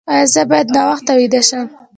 ایا زه باید ناوخته ویده شم؟